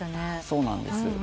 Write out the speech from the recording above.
そうなんです。